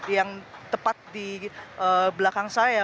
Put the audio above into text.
yang tepat di belakang saya